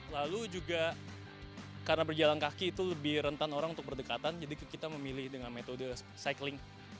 lalu juga karena berjalan kaki itu lebih rentan orang untuk berdekatan jadi kita memilih dengan metode cycling